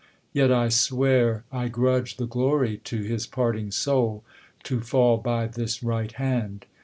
Yet I swear, I grudge the glory to his parting soul To fall by this right hand.